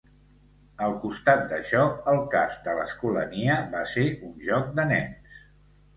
Al costat d'això, el cas de l'Escolania va ser un joc de nens.